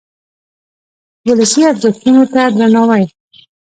ولسي ارزښتونو ته درناوی.